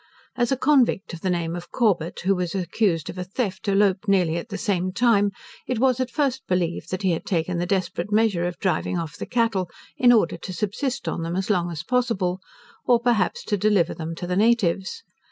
As a convict of the name of Corbet, who was accused of a theft, eloped nearly at the same time, it was at first believed, that he had taken the desperate measure of driving off the cattle, in order to subsist on them as long as possible; or perhaps to deliver them to the natives.